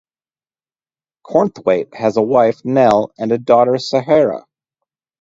Cornthwaite has a wife, Nel, and a daughter, Sahara.